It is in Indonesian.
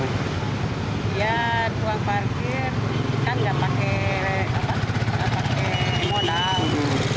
ya tukang parkir kan tidak pakai modal